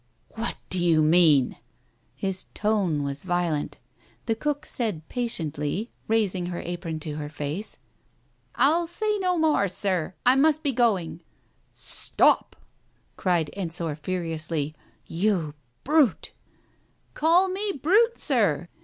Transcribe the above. " What do you mean ?" His tone was violent. The cook said, patiently, raising her apron to her face —" I'll say no more, Sir. I must be going "Stop I " cried Ensor furiously. "You brute " "Call me brute, Sir!"